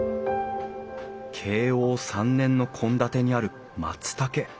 慶応３年の献立にある松たけ。